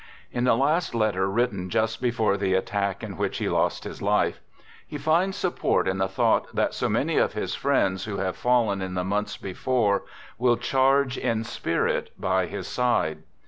In the last letter written just before the attack in which he lost his life, he finds support in the thought that so many of his friends, who have fallen in the months before, will charge in spirit by his side.